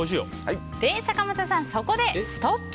坂本さん、そこでストップ！